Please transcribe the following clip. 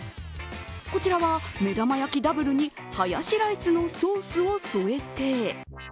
こちらは目玉焼きダブルにハヤシライスのソースを添えて。